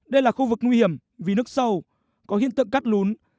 đây là khu vực nguy hiểm vì nước sâu có hiện tượng cắt lún